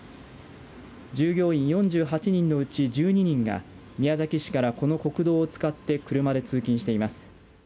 従業員４８人のうち１２人が宮崎市から国道２２０号線を使って車で通勤しています。